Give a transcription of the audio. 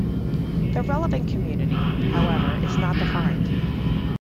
The relevant community, however, is not defined.